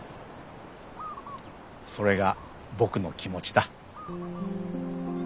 それが僕の気持ちだ。